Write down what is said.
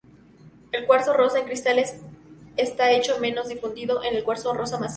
El cuarzo rosa en cristales está mucho menos difundido que el cuarzo rosa masivo.